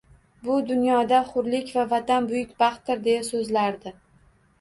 Bu dunyoda hurlik va Vatan buyuk baxtdir, deya soʻzlardi.